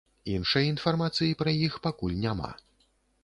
Іншай інфармацыі пра іх пакуль няма.